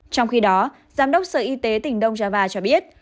trong khi đó giám đốc sở y tế tỉnh đông java cho biết